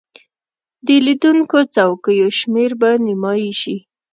د لیدونکو څوکیو شمیر به نیمایي شي.